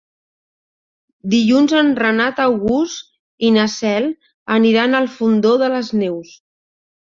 Dilluns en Renat August i na Cel aniran al Fondó de les Neus.